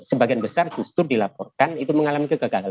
sebagian besar justru dilaporkan itu mengalami kegagalan